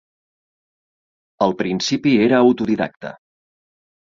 Al principi era autodidacte.